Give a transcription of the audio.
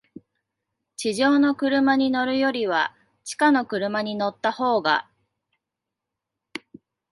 地上の車に乗るよりは、地下の車に乗ったほうが、